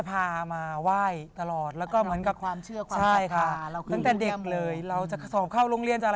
แล้วก็คุณแม่เนี่ย